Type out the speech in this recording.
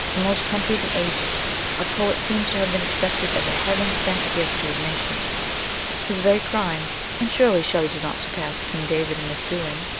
In most countries and ages a poet seems to have been accepted as a heaven sent gift to his nation ; his very crimes (and surely Shelley did not surpass King David in misdoing?)